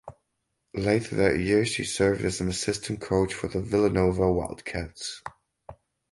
Later that year she served as an assistant coach for the Villanova Wildcats.